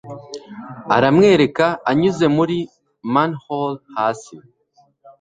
Aramwereka anyuze muri manhole hasi